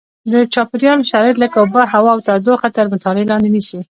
د چاپېریال شرایط لکه اوبه هوا او تودوخه تر مطالعې لاندې نیسي.